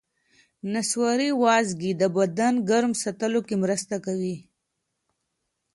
نسواري وازګې د بدن ګرم ساتلو کې مرسته کوي.